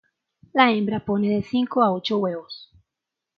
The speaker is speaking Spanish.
La hembra pone de cinco a ocho huevos.